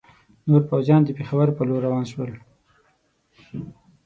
نور پوځیان د پېښور پر لور روان شول.